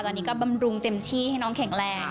ตอนนี้ก็บำรุงเต็มที่ให้น้องแข็งแรง